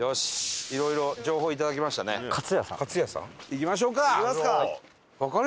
行きましょうか！